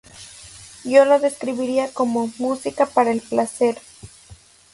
Yo lo describiría como 'música para el placer'.